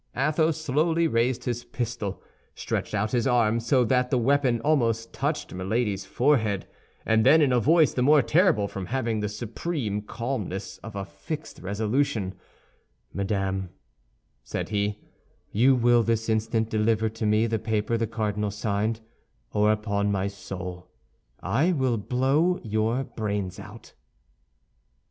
Athos slowly raised his pistol, stretched out his arm so that the weapon almost touched Milady's forehead, and then, in a voice the more terrible from having the supreme calmness of a fixed resolution, "Madame," said he, "you will this instant deliver to me the paper the cardinal signed; or upon my soul, I will blow your brains out."